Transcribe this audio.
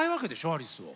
アリスを。